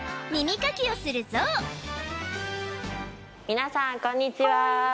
みなさんこんにちは